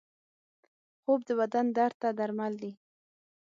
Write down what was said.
خوب د بدن درد ته درمل دی